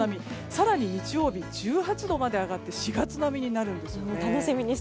更に、日曜日１８度まで上がって４月並みになるんですね。